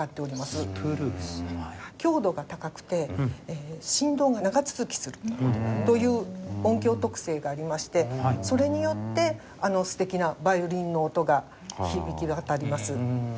強度が高くて振動が長続きするという音響特性がありましてそれによって素敵なヴァイオリンの音が響き渡ります。